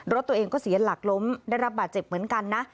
รถตัวเองก็เสียหลักล้มได้รับบาดเจ็บเหมือนกันนะ